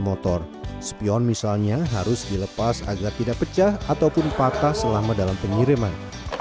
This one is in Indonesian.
motor spion misalnya harus dilepas agar tidak pecah ataupun patah selama dalam pengiriman